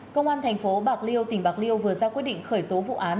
công an thành phố bạc liêu tỉnh bạc liêu vừa ra quyết định khởi tố vụ án